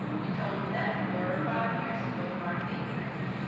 You told me that four or five years ago, Marthy."